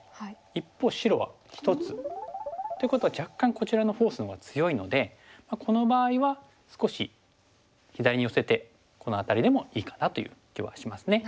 一方白は１つ。っていうことは若干こちらのフォースのほうが強いのでこの場合は少し左に寄せてこの辺りでもいいかなという気はしますね。